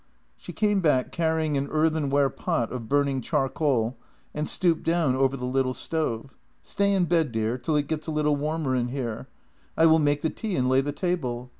She came back carrying an earthenware pot of burning char coal, and stooped down over the little stove. " Stay in bed, dear, till it gets a little warmer in here. I will make the tea and lay the table.